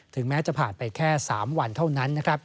ถึงแม้จะผ่านไปแค่๓วันเท่านั้น